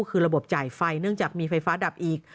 ก็คือระบบจ่ายไฟเนื่องจากมีไฟฟ้าดับอีก